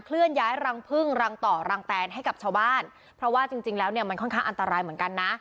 เลื่อนย้ายรังพึ่งรังต่อรังแตนให้กับชาวบ้านเพราะว่าจริงจริงแล้วเนี่ยมันค่อนข้างอันตรายเหมือนกันนะ